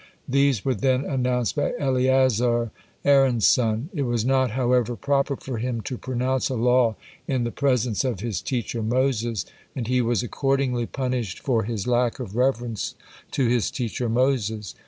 These were then announced by Eleazar, Aaron's son. It was not, however, proper for him to pronounce a law in the presence of his teacher Moses, and he was accordingly punished for his lack of reverence to his teacher Moses.